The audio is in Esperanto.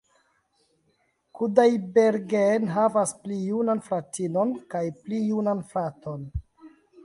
Kudaibergen havas pli junan fratinon kaj pli junan fraton.